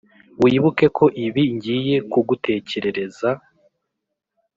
wibuke ko ibi ngiye kugutekerereza,